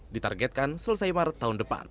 ditargetkan selesai maret tahun depan